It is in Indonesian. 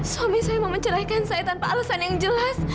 suami saya mau menceraikan saya tanpa alasan yang jelas